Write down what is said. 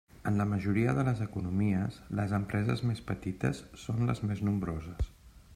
En la majoria de les economies les empreses més petites són les més nombroses.